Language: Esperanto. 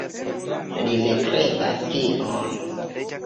Li ne kredas tion.